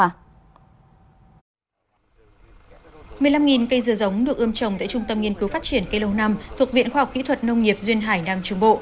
một mươi năm cây dừa giống được ươm trồng tại trung tâm nghiên cứu phát triển cây lâu năm thuộc viện khoa học kỹ thuật nông nghiệp duyên hải nam trung bộ